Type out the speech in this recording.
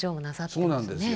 そうなんですよ。